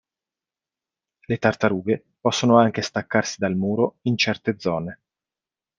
Le tartarughe possono anche staccarsi dal muro in certe zone.